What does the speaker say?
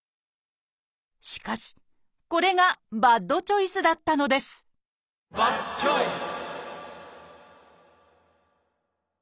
しかしこれがバッドチョイスだったのですバッドチョイス！